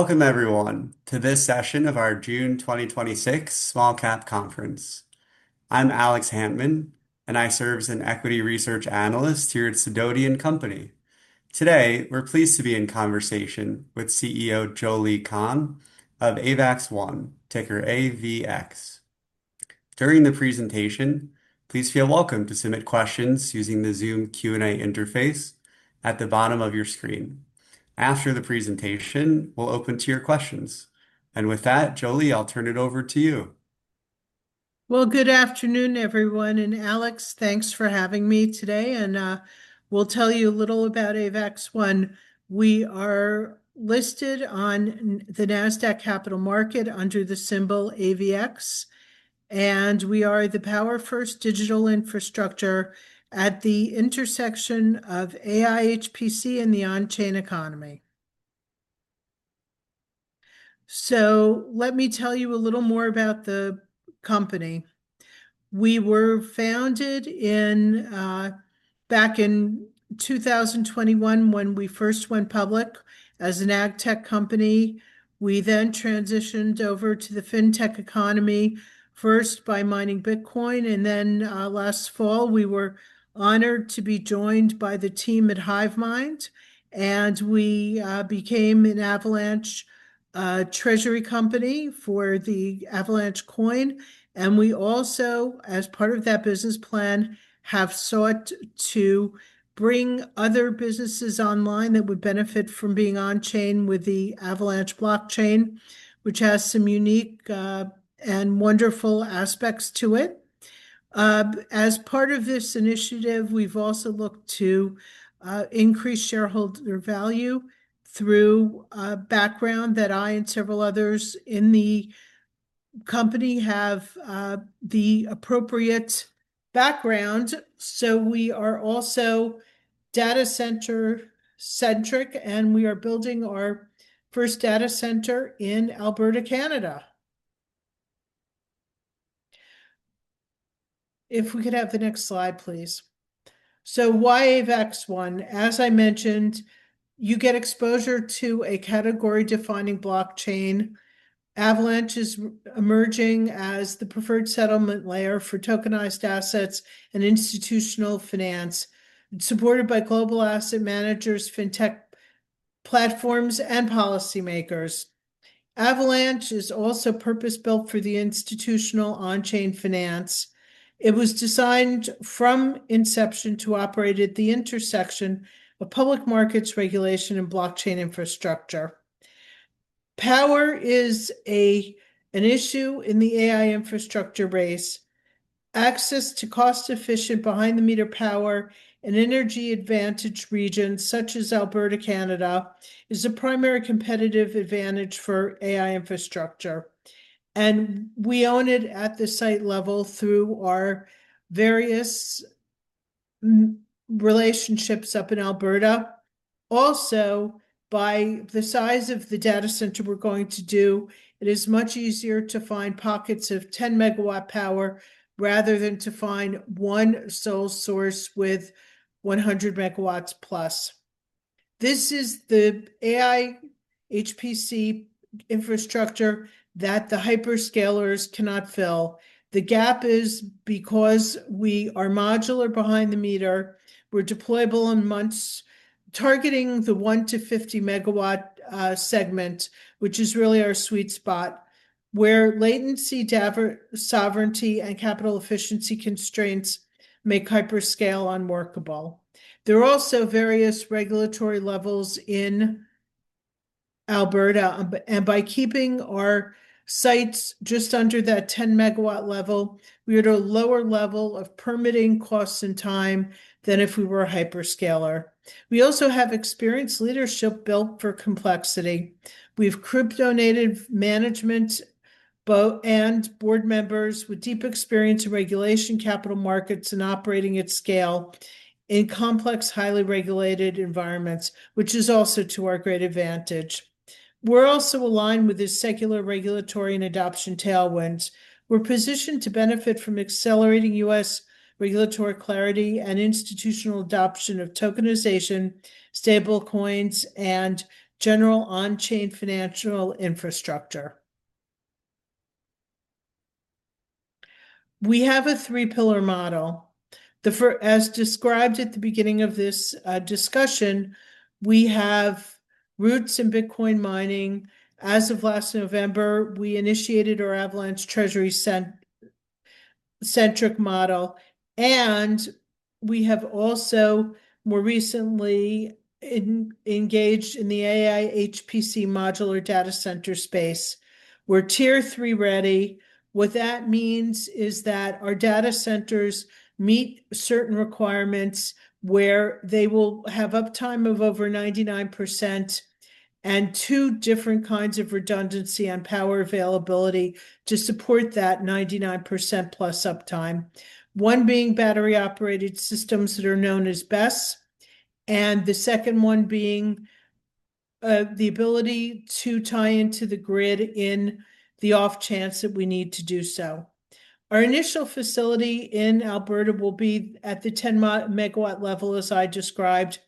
Welcome everyone to this session of our June 2026 Small Cap Conference. I'm Alex Hantman, I serve as an equity research analyst here at Sidoti & Company. Today, we're pleased to be in conversation with CEO Jolie Kahn of AVAX One, ticker AVX. During the presentation, please feel welcome to submit questions using the Zoom Q&A interface at the bottom of your screen. After the presentation, we'll open to your questions. With that, Jolie, I'll turn it over to you. Well, good afternoon, everyone, Alex, thanks for having me today. We'll tell you a little about AVAX One. We are listed on the Nasdaq Capital Market under the symbol AVX, we are the power first digital infrastructure at the intersection of AI HPC and the on-chain economy. Let me tell you a little more about the company. We were founded back in 2021 when we first went public as an AgTech company. We transitioned over to the Fintech economy, first by mining Bitcoin, then last fall, we were honored to be joined by the team at Hivemind, we became an Avalanche treasury company for the Avalanche coin. We also, as part of that business plan, have sought to bring other businesses online that would benefit from being on-chain with the Avalanche blockchain, which has some unique and wonderful aspects to it. As part of this initiative, we've also looked to increase shareholder value through a background that I and several others in the company have the appropriate background. We are also data center centric, we are building our first data center in Alberta, Canada. If we could have the next slide, please. Why AVAX One? As I mentioned, you get exposure to a category-defining blockchain. Avalanche is emerging as the preferred settlement layer for tokenized assets and institutional finance, supported by global asset managers, Fintech platforms, and policymakers. Avalanche is also purpose-built for the institutional on-chain finance. It was designed from inception to operate at the intersection of public markets regulation and blockchain infrastructure. Power is an issue in the AI infrastructure race. Access to cost-efficient, behind-the-meter power in energy advantaged regions such as Alberta, Canada, is a primary competitive advantage for AI infrastructure, we own it at the site level through our various relationships up in Alberta. Also, by the size of the data center we're going to do, it is much easier to find pockets of 10 MW power rather than to find one sole source with 100 MW plus. This is the AI HPC infrastructure that the hyperscalers cannot fill. The gap is because we are modular behind the meter. We're deployable in months, targeting the 1-50 MW segment, which is really our sweet spot, where latency, data sovereignty, and capital efficiency constraints make hyperscale unworkable. There are also various regulatory levels in Alberta. By keeping our sites just under that 10-megawatt level, we at a lower level of permitting costs and time than if we were a hyperscaler. We also have experienced leadership built for complexity. We have crypto-native management and board members with deep experience in regulation capital markets and operating at scale in complex, highly regulated environments, which is also to our great advantage. We are also aligned with the secular regulatory and adoption tailwinds. We are positioned to benefit from accelerating U.S. regulatory clarity and institutional adoption of tokenization, stablecoins, and general on-chain financial infrastructure. We have a three-pillar model. As described at the beginning of this discussion, we have roots in Bitcoin mining. As of last November, we initiated our Avalanche treasury-centric model. We have also more recently engaged in the AI HPC modular data center space. We are tier 3 ready. What that means is that our data centers meet certain requirements where they will have uptime of over 99% and two different kinds of redundancy and power availability to support that 99%-plus uptime, one being battery-operated systems that are known as BESS. The second one being the ability to tie into the grid in the off chance that we need to do so. Our initial facility in Alberta will be at the 10-megawatt level, as I described.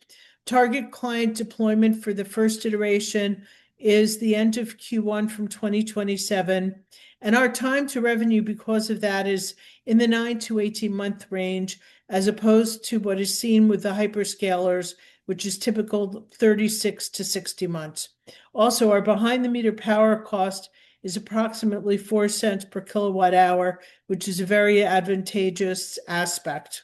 Target client deployment for the first iteration is the end of Q1 from 2027. Our time to revenue because of that is in the nine to 18-month range, as opposed to what is seen with the hyperscalers, which is typical 36 to 60 months. Our behind the meter power cost is approximately $0.04 per kilowatt hour, which is a very advantageous aspect.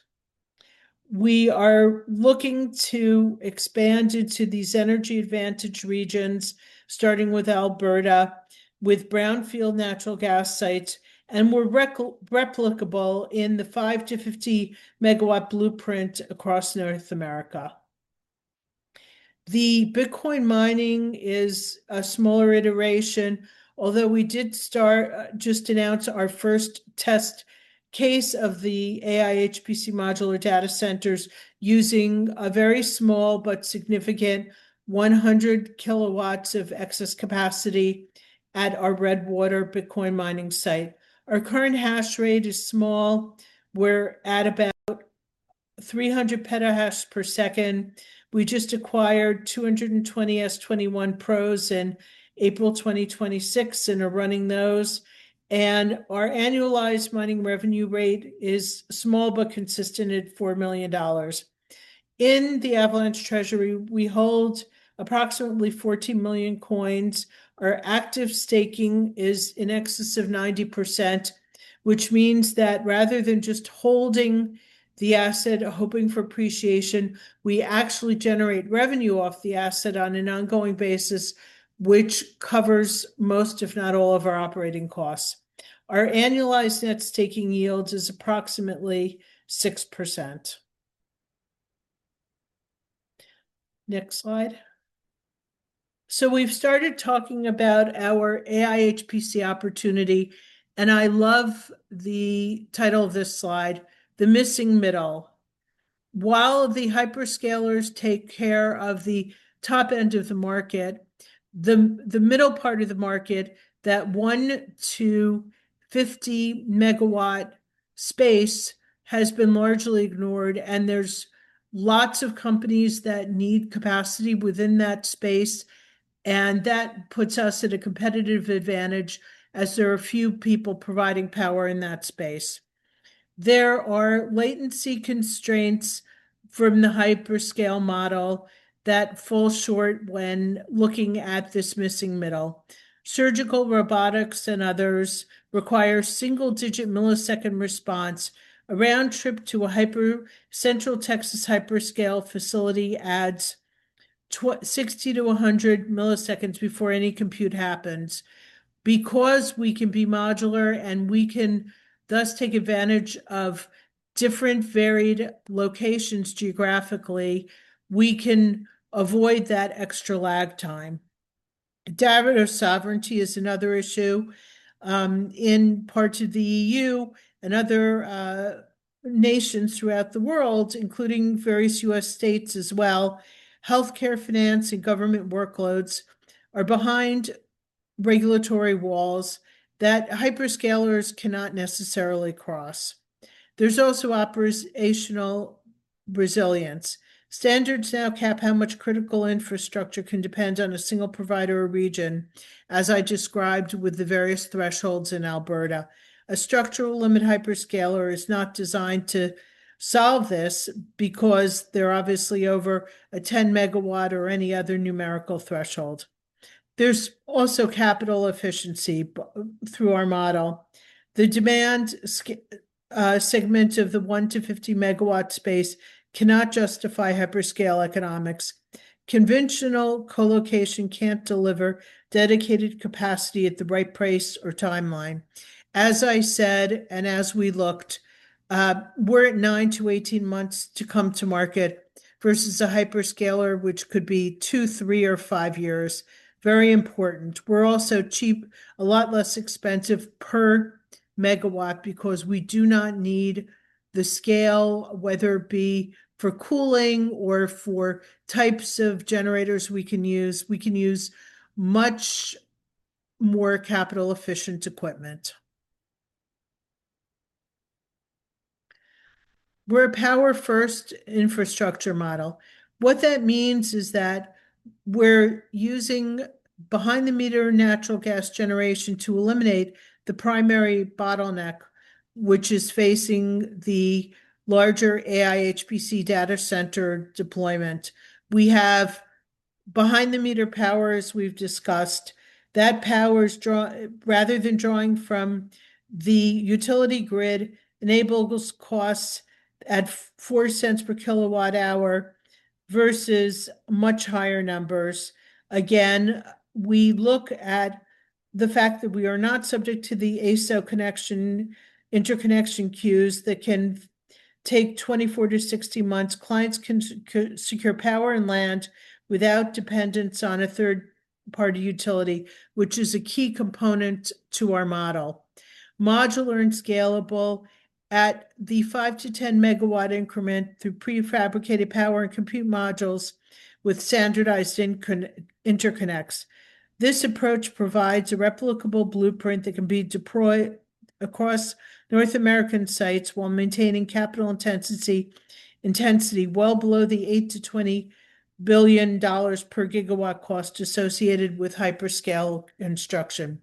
We are looking to expand into these energy advantage regions, starting with Alberta, with brownfield natural gas sites. We are replicable in the five to 50 megawatt blueprint across North America. The Bitcoin mining is a smaller iteration, although we did just announce our first test case of the AI HPC modular data centers using a very small but significant 100 KW of excess capacity at our Redwater Bitcoin mining site. Our current hash rate is small. We are at about 300 peta hash per second. We just acquired 220 S21 Pros in April 2026 and are running those. Our annualized mining revenue rate is small but consistent at $4 million. In the Avalanche treasury, we hold approximately 14 million coins. Our active staking is in excess of 90%, which means that rather than just holding the asset hoping for appreciation, we actually generate revenue off the asset on an ongoing basis, which covers most, if not all, of our operating costs. Our annualized net staking yields is approximately 6%. Next slide. We have started talking about our AI HPC opportunity, and I love the title of this slide, "The Missing Middle." While the hyperscalers take care of the top end of the market, the middle part of the market, that one to 50 megawatt space, has been largely ignored. There is lots of companies that need capacity within that space. That puts us at a competitive advantage as there are few people providing power in that space. There are latency constraints from the hyperscale model that fall short when looking at this missing middle. Surgical robotics and others require single-digit millisecond response. A round trip to a Central Texas hyperscale facility adds 60-100 milliseconds before any compute happens. Because we can be modular and we can thus take advantage of different varied locations geographically, we can avoid that extra lag time. Data sovereignty is another issue. In parts of the EU and other nations throughout the world, including various U.S. states as well, healthcare, finance, and government workloads are behind regulatory walls that hyperscalers cannot necessarily cross. There's also operational resilience. Standards now cap how much critical infrastructure can depend on a single provider or region, as I described with the various thresholds in Alberta. A structural limit hyperscaler is not designed to solve this because they're obviously over a 10 MW or any other numerical threshold. There's also capital efficiency through our model. The demand segment of the one to 50 MW space cannot justify hyperscale economics. Conventional colocation can't deliver dedicated capacity at the right price or timeline. As I said, and as we looked, we're at nine to 18 months to come to market versus a hyperscaler, which could be two, three, or five years. Very important. We're also cheap, a lot less expensive per megawatt because we do not need the scale, whether it be for cooling or for types of generators we can use. We can use much more capital efficient equipment. We're a power-first infrastructure model. What that means is that we're using behind the meter natural gas generation to eliminate the primary bottleneck, which is facing the larger AI HPC data center deployment. We have behind the meter power, as we've discussed. That power, rather than drawing from the utility grid, enables costs at $0.04 per kilowatt hour versus much higher numbers. Again, we look at the fact that we are not subject to the AESO interconnection queues that can take 24-60 months. Clients can secure power and land without dependence on a third-party utility, which is a key component to our model. Modular and scalable at the five to 10 MW increment through prefabricated power and compute modules with standardized interconnects. This approach provides a replicable blueprint that can be deployed across North American sites while maintaining capital intensity well below the $8 billion-$20 billion per gigawatt cost associated with hyperscale construction.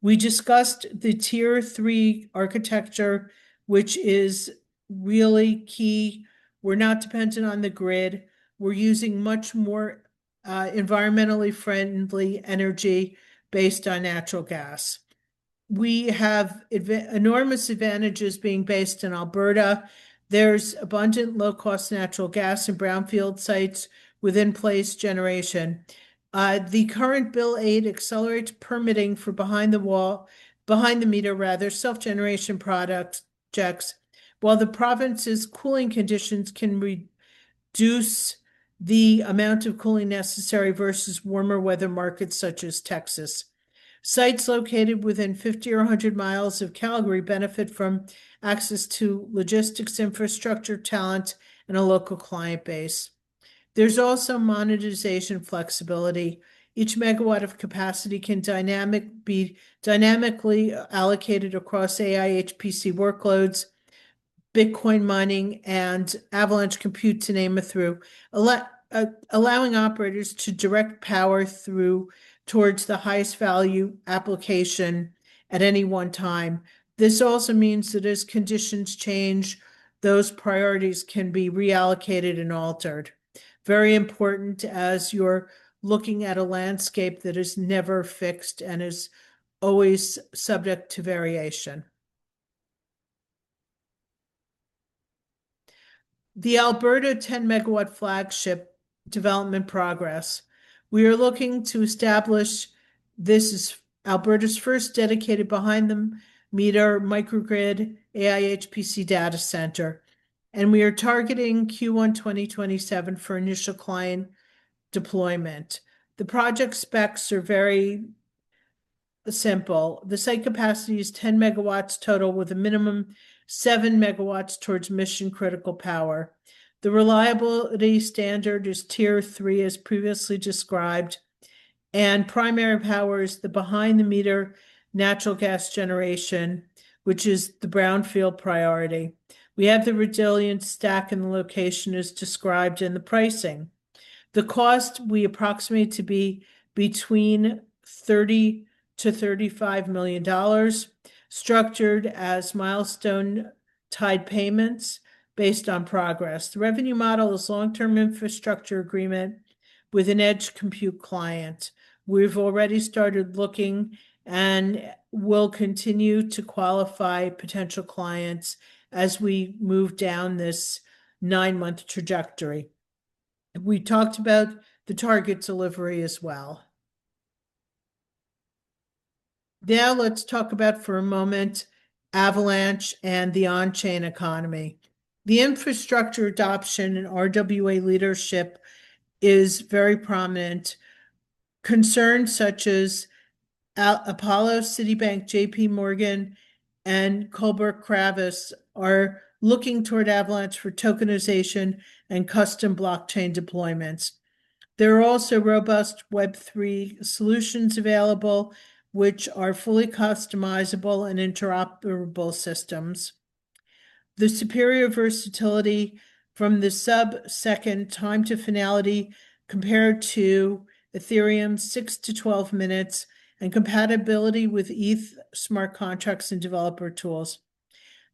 We discussed the Tier 3 architecture, which is really key. We're not dependent on the grid. We're using much more environmentally friendly energy based on natural gas. We have enormous advantages being based in Alberta. There's abundant low-cost natural gas and brownfield sites within place generation. The current Bill 8 accelerates permitting for behind the meter self-generation projects, while the province's cooling conditions can reduce the amount of cooling necessary versus warmer weather markets such as Texas. Sites located within 50 or 100 miles of Calgary benefit from access to logistics infrastructure talent, and a local client base. There's also monetization flexibility. Each megawatt of capacity can be dynamically allocated across AI HPC workloads, Bitcoin mining, and Avalanche compute to name a few, allowing operators to direct power through towards the highest value application at any one time. This also means that as conditions change, those priorities can be reallocated and altered. Very important as you're looking at a landscape that is never fixed and is always subject to variation. The Alberta 10 megawatt flagship development progress. We are looking to establish this is Alberta's first dedicated behind the meter microgrid AI HPC data center. We are targeting Q1 2027 for initial client deployment. The project specs are very simple. The site capacity is 10 MW total with a minimum seven megawatts towards mission critical power. The reliability standard is Tier 3, as previously described, and primary power is the behind the meter natural gas generation, which is the brownfield priority. We have the resilience stack, and the location is described in the pricing. The cost we approximate to be between $30 million to $35 million, structured as milestone tied payments based on progress. The revenue model is long-term infrastructure agreement with an edge compute client. We've already started looking and will continue to qualify potential clients as we move down this nine-month trajectory. We talked about the target delivery as well. Let's talk about for a moment Avalanche and the on-chain economy. The infrastructure adoption and RWA leadership is very prominent. Concerns such as Apollo, Citi, JP Morgan, and Kohlberg Kravis Roberts are looking toward Avalanche for tokenization and custom blockchain deployments. There are also robust Web3 solutions available which are fully customizable and interoperable systems. The superior versatility from the sub-second time to finality compared to Ethereum's 6 to 12 minutes and compatibility with ETH smart contracts and developer tools.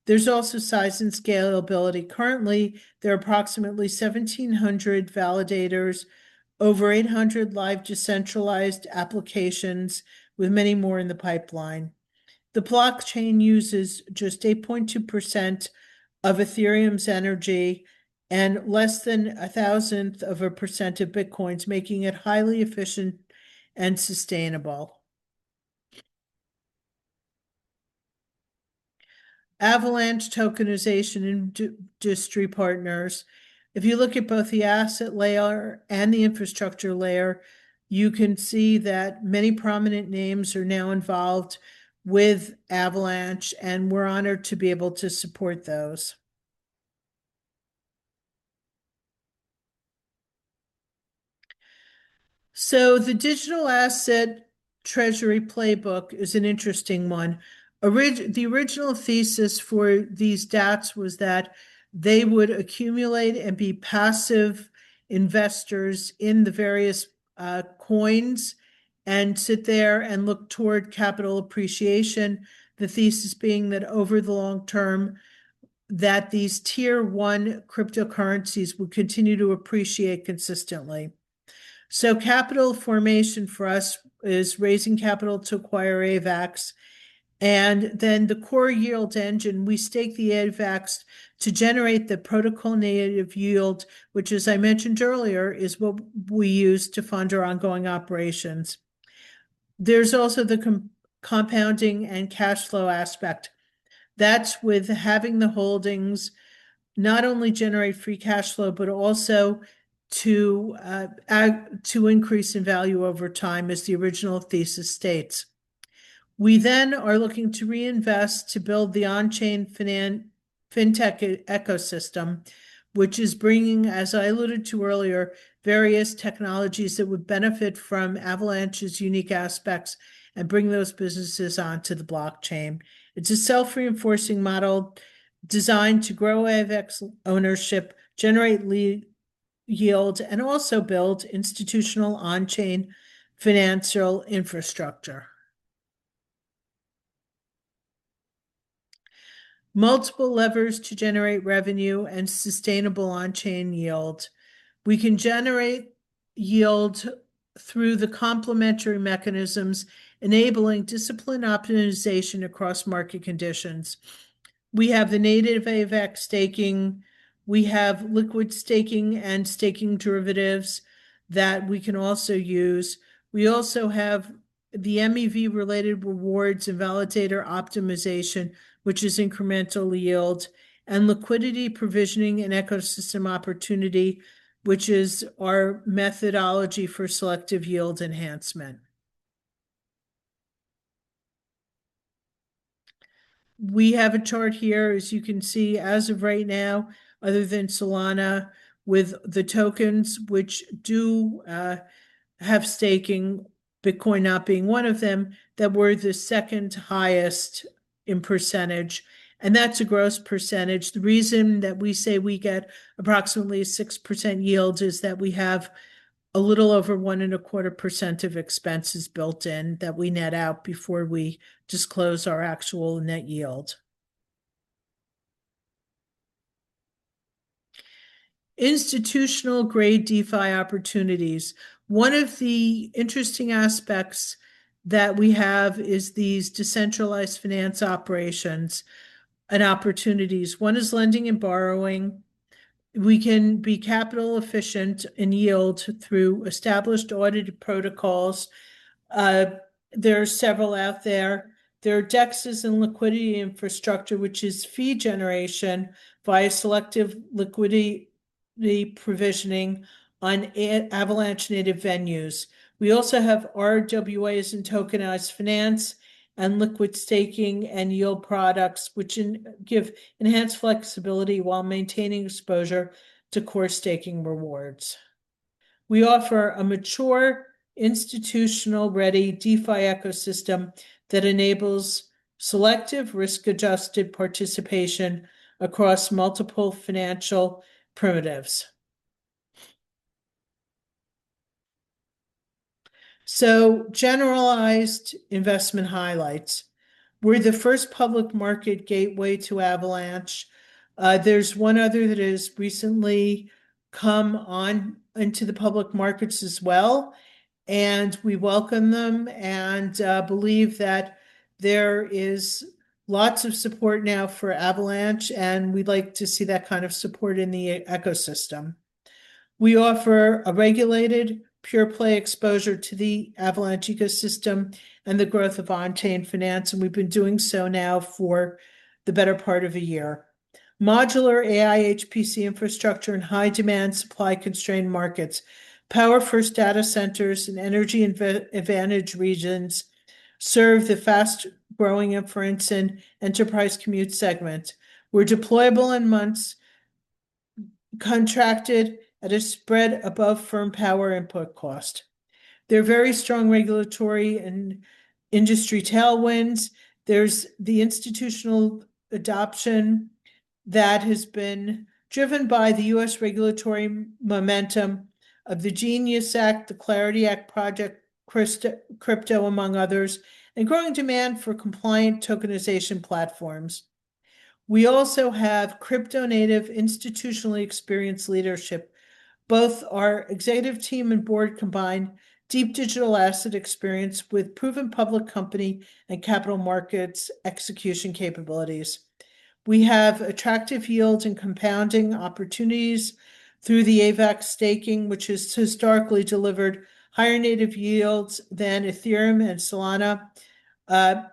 There's also size and scalability. Currently, there are approximately 1,700 validators, over 800 live decentralized applications with many more in the pipeline. The blockchain uses just 8.2% of Ethereum's energy and less than a thousandth of a percent of Bitcoin's, making it highly efficient and sustainable. Avalanche tokenization industry partners. If you look at both the asset layer and the infrastructure layer, you can see that many prominent names are now involved with Avalanche, and we're honored to be able to support those. The Digital Asset Treasuries playbook is an interesting one. The original thesis for these DATS was that they would accumulate and be passive investors in the various coins and sit there and look toward capital appreciation. The thesis being that over the long term, that these Tier 1 cryptocurrencies will continue to appreciate consistently. Capital formation for us is raising capital to acquire AVAX, and then the core yield engine, we stake the AVAX to generate the protocol native yield, which as I mentioned earlier, is what we use to fund our ongoing operations. There's also the compounding and cash flow aspect. That's with having the holdings not only generate free cash flow, but also to increase in value over time as the original thesis states. We are looking to reinvest to build the on-chain Fintech ecosystem, which is bringing, as I alluded to earlier, various technologies that would benefit from Avalanche's unique aspects and bring those businesses onto the blockchain. It's a self-reinforcing model designed to grow AVAX ownership, generate lead yields, and also build institutional on-chain financial infrastructure. Multiple levers to generate revenue and sustainable on-chain yield. We can generate yield through the complementary mechanisms enabling discipline optimization across market conditions. We have the native AVAX staking, we have liquid staking and staking derivatives that we can also use. We also have the MEV-related rewards and validator optimization, which is incremental yield, and liquidity provisioning and ecosystem opportunity, which is our methodology for selective yield enhancement. We have a chart here. As you can see, as of right now, other than Solana, with the tokens which do have staking, Bitcoin not being one of them, that we're the second highest in percentage, and that's a gross percentage. The reason that we say we get approximately 6% yield is that we have a little over one and a quarter percent of expenses built-in that we net out before we disclose our actual net yield. Institutional-grade DeFi opportunities. One of the interesting aspects that we have is these decentralized finance operations and opportunities. One is lending and borrowing. We can be capital efficient in yield through established audited protocols. There are several out there. There are DEXs and liquidity infrastructure, which is fee generation via selective liquidity provisioning on Avalanche-native venues. We also have RWAs and tokenized finance and liquid staking and yield products, which give enhanced flexibility while maintaining exposure to core staking rewards. We offer a mature, institutional-ready DeFi ecosystem that enables selective risk-adjusted participation across multiple financial primitives. Generalized investment highlights. We're the first public market gateway to Avalanche. There's one other that has recently come onto the public markets as well, and we welcome them and believe that there is lots of support now for Avalanche, and we'd like to see that kind of support in the ecosystem. We offer a regulated pure-play exposure to the Avalanche ecosystem and the growth of on-chain finance, and we've been doing so now for the better part of a year. Modular AI HPC infrastructure in high demand, supply-constrained markets. Power-first data centers in energy advantage regions serve the fast-growing inferencing enterprise compute segment. We're deployable in months, contracted at a spread above firm power input cost. There are very strong regulatory and industry tailwinds. There's the institutional adoption that has been driven by the U.S. regulatory momentum of the GENIUS Act, the CLARITY Act, Project Crypto, among others, and growing demand for compliant tokenization platforms. We also have crypto-native, institutionally experienced leadership. Both our executive team and board combine deep digital asset experience with proven public company and capital markets execution capabilities. We have attractive yields and compounding opportunities through the AVAX staking, which has historically delivered higher native yields than Ethereum and Solana. Now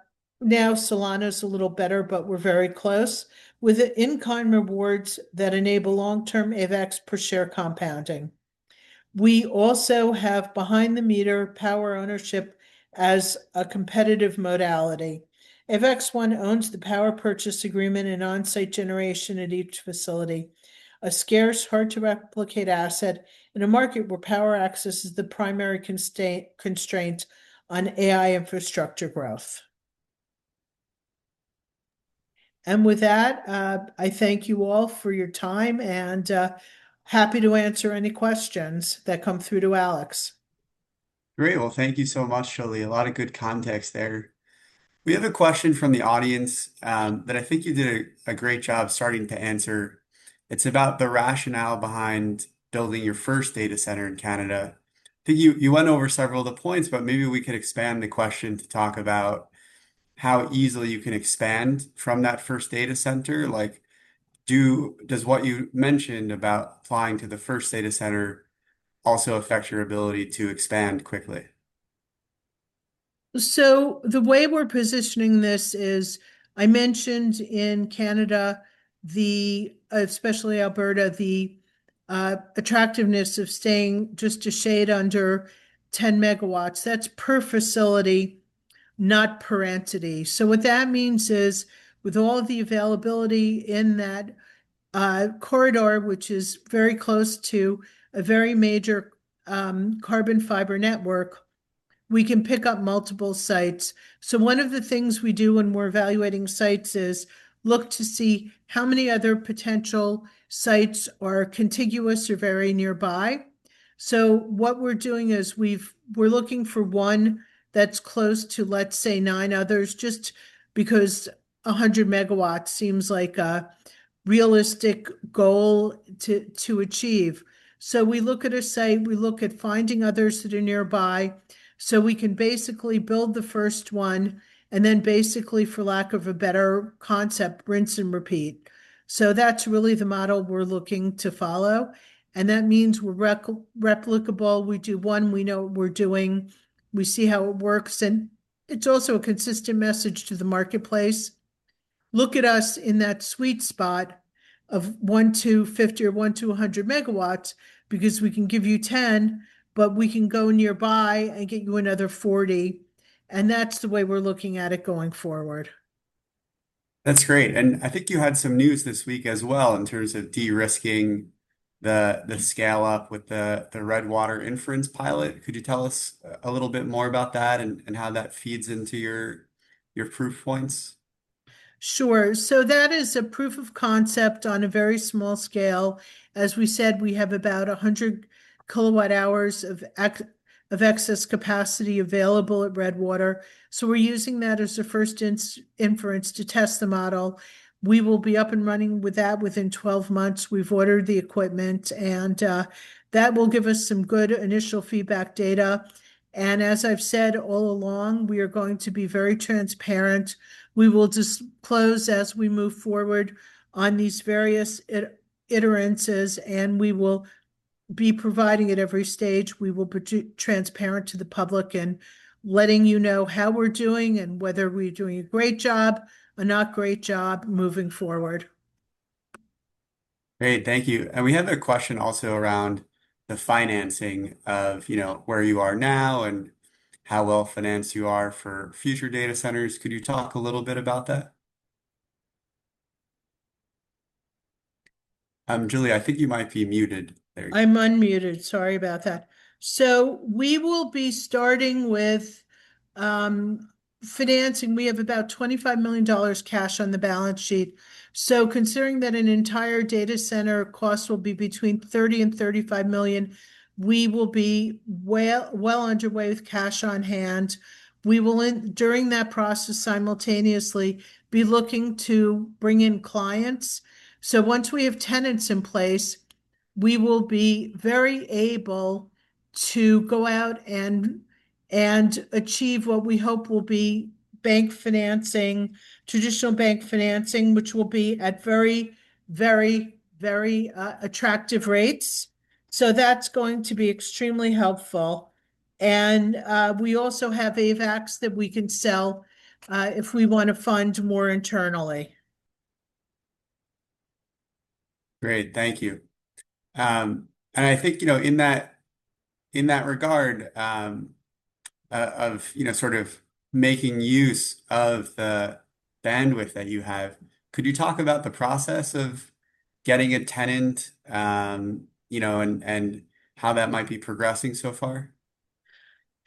Solana's a little better, but we're very close. With in-kind rewards that enable long-term AVAX-per-share compounding. We also have behind-the-meter power ownership as a competitive modality. AVAX One owns the power purchase agreement and on-site generation at each facility, a scarce, hard-to-replicate asset in a market where power access is the primary constraint on AI infrastructure growth. With that, I thank you all for your time, and happy to answer any questions that come through to Alex. Great. Well, thank you so much, Jolie. A lot of good context there. We have a question from the audience that I think you did a great job starting to answer. It's about the rationale behind building your first data center in Canada. I think you went over several of the points, but maybe we could expand the question to talk about how easily you can expand from that first data center. Does what you mentioned about applying to the first data center also affect your ability to expand quickly? The way we're positioning this is, I mentioned in Canada, especially Alberta, the attractiveness of staying just a shade under 10 MW. That's per facility, not per entity. What that means is, with all the availability in that corridor, which is very close to a very major dark fiber network, we can pick up multiple sites. One of the things we do when we're evaluating sites is look to see how many other potential sites are contiguous or very nearby. What we're doing is we're looking for one that's close to, let's say, nine others, just because 100 MW seems like a realistic goal to achieve. We look at a site, we look at finding others that are nearby, so we can basically build the first one, and then basically, for lack of a better concept, rinse and repeat. That's really the model we're looking to follow, and that means we're replicable. We do one, we know what we're doing, we see how it works, and it's also a consistent message to the marketplace. Look at us in that sweet spot of one to 50 or one to 100 MW because we can give you 10, but we can go nearby and get you another 40. That's the way we're looking at it going forward. That's great. I think you had some news this week as well in terms of de-risking the scale-up with the Redwater inferencing pilot. Could you tell us a little bit more about that and how that feeds into your proof points? Sure. That is a proof of concept on a very small scale. As we said, we have about 100 KW of excess capacity available at Redwater, so we're using that as a first inference to test the model. We will be up and running with that within 12 months. We've ordered the equipment, and that will give us some good initial feedback data. As I've said all along, we are going to be very transparent. We will disclose as we move forward on these various iterations, and we will be providing at every stage. We will be transparent to the public and letting you know how we're doing and whether we're doing a great job, a not great job moving forward. Great. Thank you. We have a question also around the financing of where you are now and how well-financed you are for future data centers. Could you talk a little bit about that? Jolie, I think you might be muted there. I'm unmuted. Sorry about that. We will be starting with financing. We have about $25 million cash on the balance sheet, so considering that an entire data center cost will be between $30 million and $35 million, we will be well underway with cash on hand. We will, during that process, simultaneously be looking to bring in clients. Once we have tenants in place, we will be very able to go out and achieve what we hope will be bank financing, traditional bank financing, which will be at very attractive rates. That's going to be extremely helpful. We also have AVAX that we can sell if we want to fund more internally. Great. Thank you. I think, in that regard of sort of making use of the bandwidth that you have, could you talk about the process of getting a tenant, and how that might be progressing so far?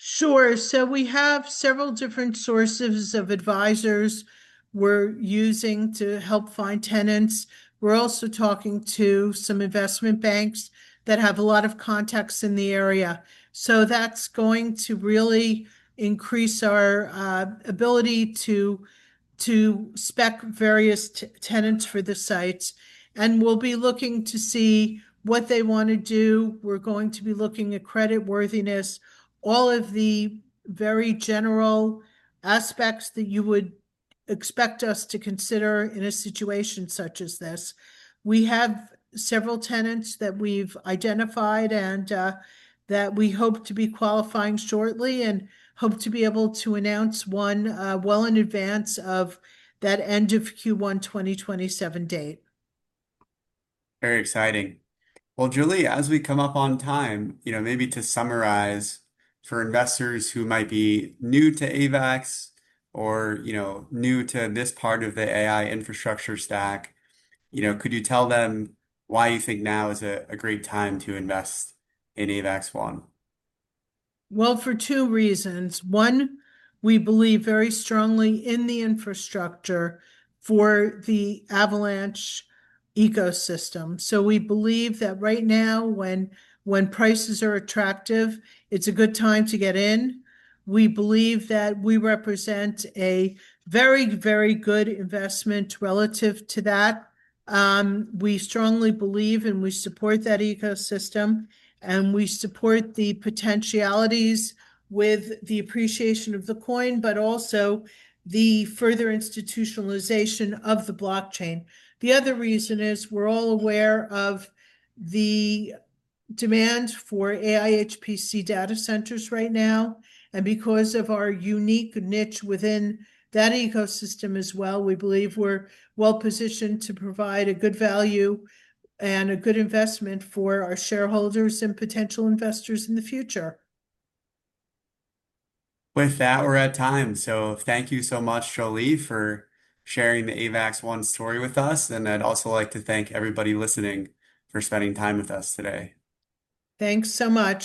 Sure. We have several different sources of advisors we're using to help find tenants. We're also talking to some investment banks that have a lot of contacts in the area. That's going to really increase our ability to spec various tenants for the sites, and we'll be looking to see what they want to do. We're going to be looking at credit worthiness, all of the very general aspects that you would expect us to consider in a situation such as this. We have several tenants that we've identified, and that we hope to be qualifying shortly and hope to be able to announce one well in advance of that end of Q1 2027 date. Very exciting. Well, Jolie, as we come up on time, maybe to summarize for investors who might be new to AVAX or new to this part of the AI infrastructure stack, could you tell them why you think now is a great time to invest in AVAX One? For two reasons. One, we believe very strongly in the infrastructure for the Avalanche ecosystem. We believe that right now when prices are attractive, it's a good time to get in. We believe that we represent a very good investment relative to that. We strongly believe and we support that ecosystem, and we support the potentialities with the appreciation of the coin, but also the further institutionalization of the blockchain. The other reason is we're all aware of the demand for AI HPC data centers right now, and because of our unique niche within that ecosystem as well, we believe we're well positioned to provide a good value and a good investment for our shareholders and potential investors in the future. With that, we're at time. Thank you so much, Jolie, for sharing the AVAX One story with us. I'd also like to thank everybody listening for spending time with us today. Thanks so much.